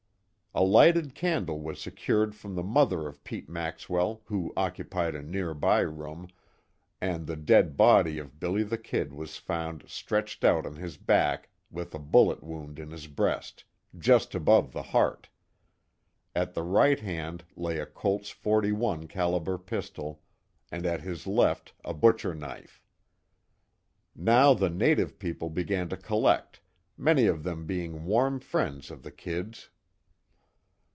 A lighted candle was secured from the mother of Pete Maxwell, who occupied a nearby room, and the dead body of "Billy the Kid" was found stretched out on his back with a bullet wound in his breast, just above the heart. At the right hand lay a Colt's 41 calibre pistol, and at his left a butcher knife. Now the native people began to collect, many of them being warm friends of the "Kid's."